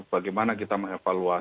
bagaimana kita mengevaluasi